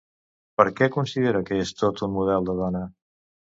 Per què considera que és tot un model de dona?